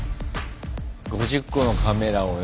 ５０個のカメラをね。